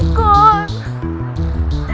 aku kejauh betan